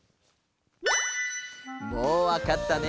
もうわかったね？